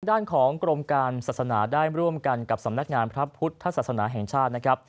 ด้านของกรมการศาสนาได้ร่วมกันกับสำนักงานพระพุทธศาสนาแห่งชาตินะครับ